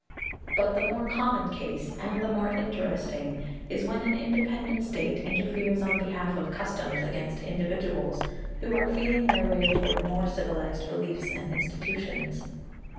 But the more common case, and the more interesting, is when an independent state interferes on behalf of custom against individuals who are feeling their way toward more civilized beliefs and institutions.